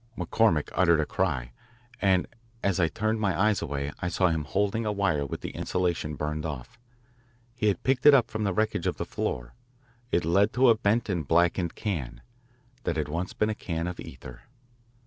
McCormick uttered a cry, and as I turned my eyes away, I saw him holding a wire with the insulation burned off. He had picked it up from the wreckage of the floor. It led to a bent and blackened can that had once been a can of ether.